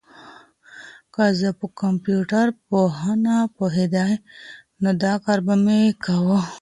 که زه په کمپيوټر پوهنه پوهېدای، نو دا کار به مي کاوه.